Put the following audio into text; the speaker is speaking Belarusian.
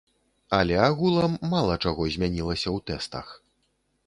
Але агулам мала чаго змянілася ў тэстах.